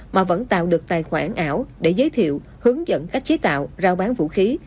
mà vẫn tạo được tài khoản ảo để giới thiệu hướng dẫn cách chế tạo rao bán vũ khí